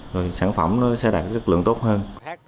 rồi sản phẩm nó sẽ đạt cái chất lượng tốt hơn